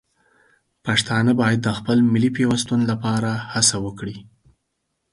پښتانه باید د خپل ملي پیوستون لپاره هڅه وکړي.